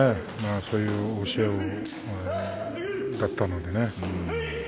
そういう教えがだったのでね。